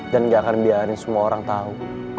dan gak akan biarin semua orang tau